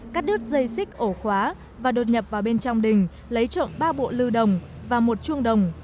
cắt đứt dây xích ổ khóa và đột nhập vào bên trong đình lấy trộm ba bộ lưu đồng và một chuông đồng